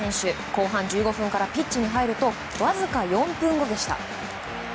後半１５分からピッチに入るとわずか４分後でした。